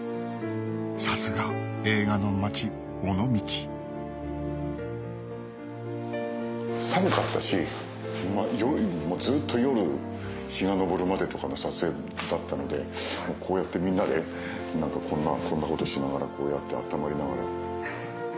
さすが映画の町尾道寒かったしずっと夜日が昇るまでとかの撮影だったのでこうやってみんなでこんなことしながらこうやって温まりながら。